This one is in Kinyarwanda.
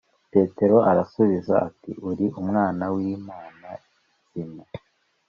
petero arasubiza ati uri umwana w’imana nzima